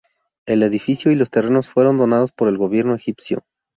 El edificio y los terrenos fueron donados por el gobierno egipcio.